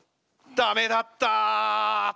ダメだった！